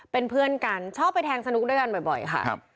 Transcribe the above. เป็นเพื่อนกันชอบไปแทงสนุกด้วยกันบ่อยค่ะ